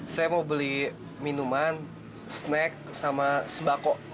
saya mau beli minuman snack sama sembako